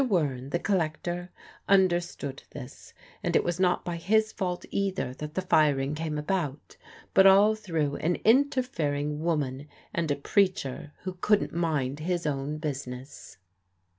Wearne, the collector, understood this, and it was not by his fault either that the firing came about, but all through an interfering woman and a preacher who couldn't mind his own business.